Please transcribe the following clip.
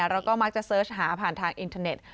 แล้วก็มักจะเสิร์ชหาผ่านทางอินเทอร์เน็ต